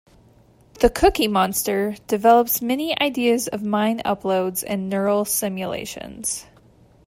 "The Cookie Monster" develops many ideas of mind uploads and neural simulations.